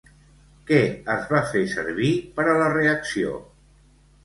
Què es va fer servir per a la reacció?